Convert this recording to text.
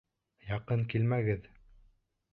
Яҡын килмәгеҙ!